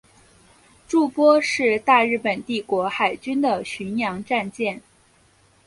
筑波是大日本帝国海军的巡洋战舰。